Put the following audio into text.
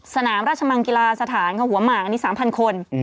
สนามราชมังกีฬาสถานค่ะหัวหมากอันนี้๓๐๐คน